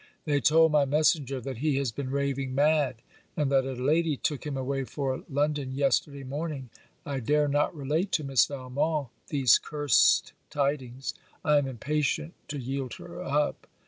They told my messenger that he has been raving mad! and that a lady took him away for London yesterday morning. I dare not relate to Miss Valmont these cursed tidings. I am impatient to yield her up.